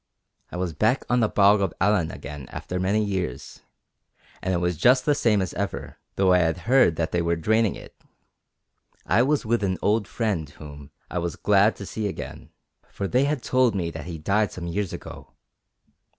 I was back on the Bog of Allen again after many years, and it was just the same as ever, though I had heard that they were draining it. I was with an old friend whom I was glad to see again, for they had told me that he died some years ago.